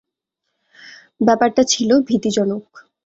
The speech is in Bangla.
ব্যাপারটা ছিল ভীতিজনক।